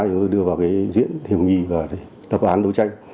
để đưa vào diễn hiểu nghị và tập án đấu tranh